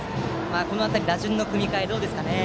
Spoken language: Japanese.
この辺り、打順の組み替えどうですかね。